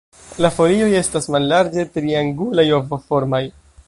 La folioj estas mallarĝe triangulaj- ovoformaj.